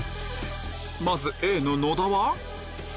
まずはＡの野田は？